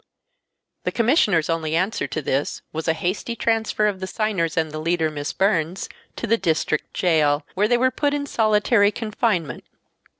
The Commissioners' only answer to this was a hasty transfer of the signers and the leader, Miss Burns, to the District Jail, where they were put in solitary confinement.